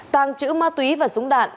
tàng trữ ma túy và súng đạn